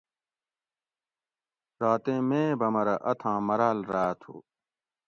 راتیں مے بمرۤہ اتھاں مراۤل راۤت ہُو